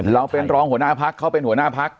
เราเป็นรองหัวหน้าพักเขาเป็นหัวหน้าพัก